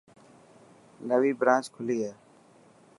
نوي برانچ کلي هي.